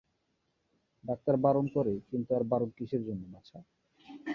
Doctor বারণ করে–কিন্তু আর বারণ কিসের জন্য, বাছা।